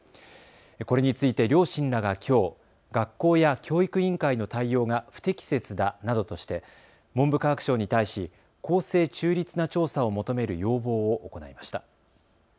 これについて両親らがきょう、学校や教育委員会の対応が不適切だなどとして文部科学省に対し、公正・中立な調査を求める要望を行いました。